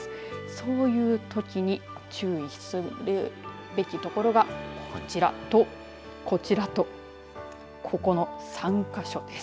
そういうときに注意するべき所がこちらと、こちらとここの３か所です。